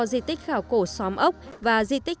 di tích khảo cổ xóm ốc và di tích